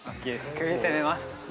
首攻めます。